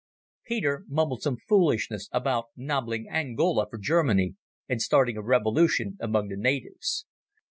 Peter mumbled some foolishness about nobbling Angola for Germany and starting a revolution among the natives.